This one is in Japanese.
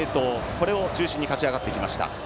これを中心に勝ち上がってきました。